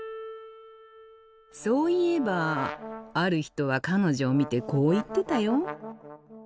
そういえばある人は彼女を見てこう言ってたよ。